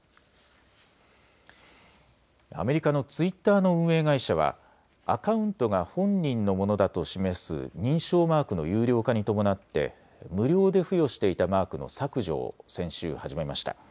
アメリカのツイッターの運営会社はアカウントが本人のものだと示す認証マークの有料化に伴って無料で付与していたマークの削除を先週、始めました。